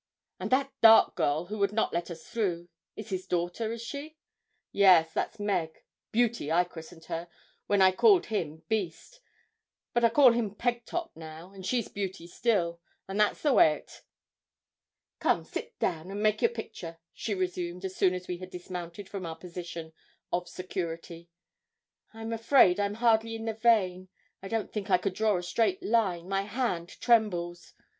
'And that dark girl who would not let us through, is his daughter, is she?' 'Yes, that's Meg Beauty, I christened her, when I called him Beast; but I call him Pegtop now, and she's Beauty still, and that's the way o't.' 'Come, sit down now, an' make your picture,' she resumed so soon as we had dismounted from our position of security. 'I'm afraid I'm hardly in the vein. I don't think I could draw a straight line. My hand trembles.'